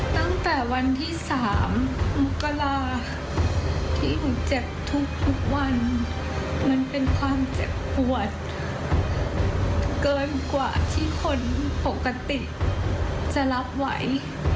ตั้งแต่วันที่๓มกราที่หนูเจ็บทุกวันมันเป็นความเจ็บปวดเกินกว่าที่คนปกติจะรับไหว